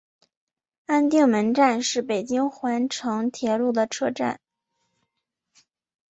安定门站是北京环城铁路的车站。